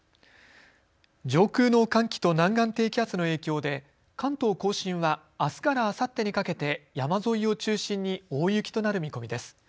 上空の寒気と南岸低気圧の影響で関東甲信はあすからあさってにかけて山沿いを中心に大雪となる見込みです。